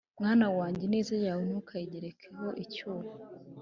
Mwana wanjye, ineza yawe ntukayigerekeho incyuro,